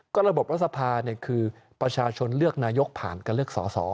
ก็ระบบรัฐสภาคือประชาชนเลือกนายกผ่านการเลือกสอสอ